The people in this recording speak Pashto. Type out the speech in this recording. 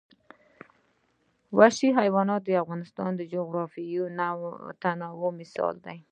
وحشي حیوانات د افغانستان د جغرافیوي تنوع مثال دی.